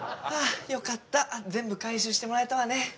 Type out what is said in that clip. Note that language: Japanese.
はあよかった全部回収してもらえたわね